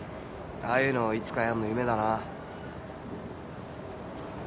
ああいうのをいつかやんの夢だな。